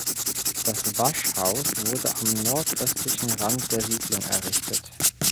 Das Waschhaus wurde am nordöstlichen Rand der Siedlung errichtet.